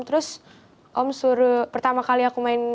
terus om suruh pertama kali aku main